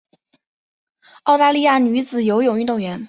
澳大利亚女子游泳运动员。